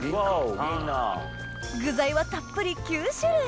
具材はたっぷり９種類